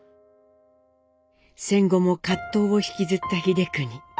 戦後も葛藤を引きずった英邦。